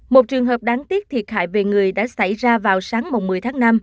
một trường hợp đáng tiếc thiệt hại về người đã xảy ra vào sáng một mươi tháng năm